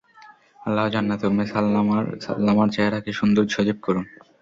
আল্লাহ জান্নাতে উম্মে সাল্লামার চেহারাকে সুন্দর সজীব করুন।